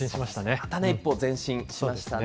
また一歩前進しましたね。